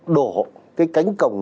đổ cái cánh cổng